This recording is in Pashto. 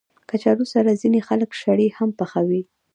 کچالو سره ځینې خلک شړې هم پخوي